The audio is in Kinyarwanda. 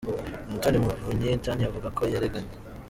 Umutoni Muvunyi Tania avuga ko yarenganye.